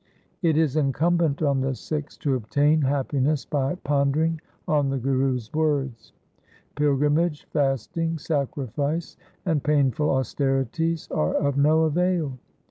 It is incumbent on the Sikhs to obtain happiness by pondering on the Guru's words. Pilgrimage, fasting, sacrifice, and painful austerities are of no avail.